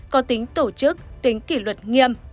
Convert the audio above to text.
có tính tổ chức tính kỷ luật nghiêm